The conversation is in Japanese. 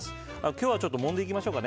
今日はもんでいきましょうか。